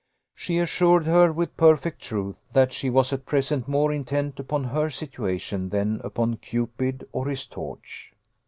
She assured her, with perfect truth, that she was at present more intent upon her situation than upon Cupid or his torch.